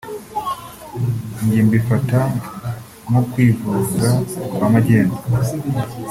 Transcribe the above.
njye mbifata nko kwivuza kwa magendu